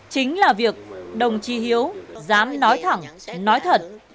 chính là việc đồng chí hiếu dám nói thẳng nói thật